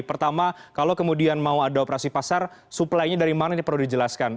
pertama kalau kemudian mau ada operasi pasar supply nya dari mana ini perlu dijelaskan